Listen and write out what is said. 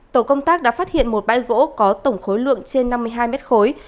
tổ công tác đã phát hiện một bãi gỗ có tổng khối lượng trên năm mươi hai mét khối